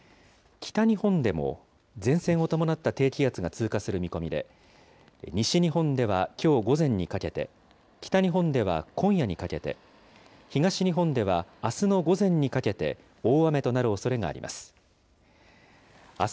北日本でも、前線を伴った低気圧が通過する見込みで、西日本ではきょう午前にかけて、北日本では今夜にかけて、東日本ではあすの午前にかけて大雨となるおそれがあります。